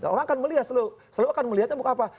orang akan melihat selalu akan melihatnya bukan apa